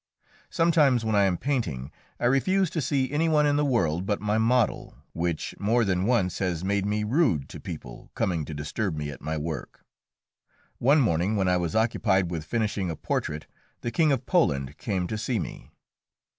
Sometimes, when I am painting, I refuse to see any one in the world but my model, which more than once has made me rude to people coming to disturb me at my work. One morning, when I was occupied with finishing a portrait, the King of Poland came to see me.